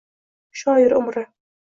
Shoir umri